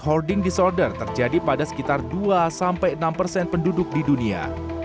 hoarding disorder terjadi pada sekitar dua sampai enam persen penduduk di dunia